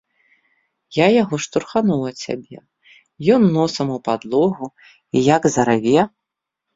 Я яго штурхануў ад сябе, ён носам у падлогу і як зараве!